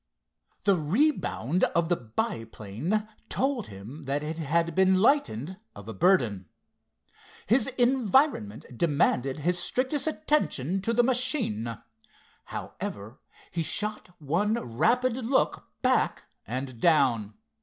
The rebound of the biplane told him that it had been lightened of a burden. His environment demanded his strictest attention to the machine. However, he shot one rapid look back and down.